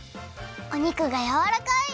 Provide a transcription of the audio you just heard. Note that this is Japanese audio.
お肉がやわらかい！